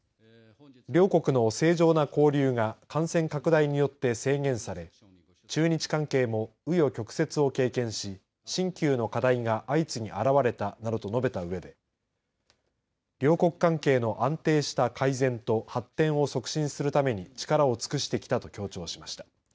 両国の正常な交流が感染拡大によって制限され中日関係も、う余曲折を献金し新旧の課題が相次ぎ現れたなどと述べたうえで両国関係の安定した改善と発展を促進するために力を尽くしてきたと強調しました。